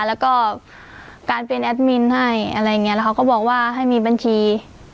แล้วก็การเป็นแอดมินให้อะไรอย่างนี้แล้วเขาก็บอกว่าให้มีบัญชี